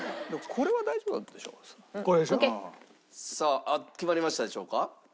さあ決まりましたでしょうか？